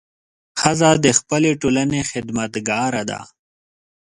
ښځه د خپلې ټولنې خدمتګاره ده.